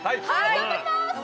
頑張ります！